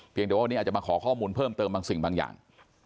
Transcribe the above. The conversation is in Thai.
เดี๋ยววันนี้อาจจะมาขอข้อมูลเพิ่มเติมบางสิ่งบางอย่าง